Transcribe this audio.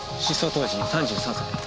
当時３３歳。